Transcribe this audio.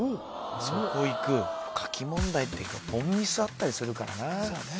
そこいく書き問題って凡ミスあったりするからなそうね